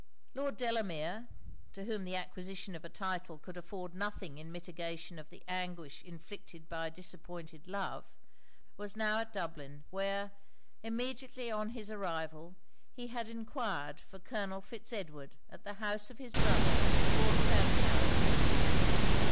Lord Delamere, to whom the acquisition of a title could offer nothing in mitigation of the anguish inflicted by disappointed love, was now at Dublin; where, immediately on his arrival, he had enquired for Colonel Fitz Edward at the house of his brother, Lord Clancarryl.